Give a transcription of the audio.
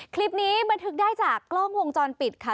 คลิปนี้บันทึกได้จากกล้องวงจรปิดค่ะ